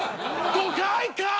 ５回かい‼